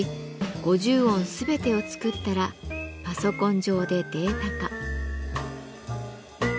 ５０音全てを作ったらパソコン上でデータ化。